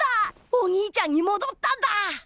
お兄ちゃんにもどったんだ！